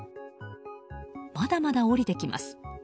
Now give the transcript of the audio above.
まだまだ降りてきます。